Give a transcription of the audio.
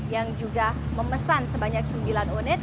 yang juga memesan sebanyak sembilan unit